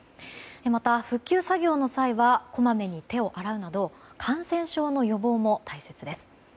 また、復旧作業の際はこまめに手を洗うなど感染症の予防も大切です。